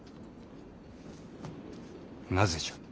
なぜじゃ。